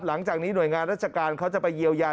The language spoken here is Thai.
หลังจากนี้หน่วยงานราชการเขาจะไปเยียวยา